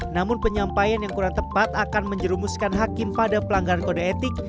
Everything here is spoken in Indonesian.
namun penyampaian yang kurang tepat akan menjerumuskan hakim pada pelanggaran kode etik